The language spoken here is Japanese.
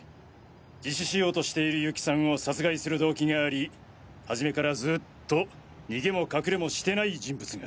自首しようとしている結城さんを殺害する動機があり初めからずっと逃げも隠れもしてない人物が。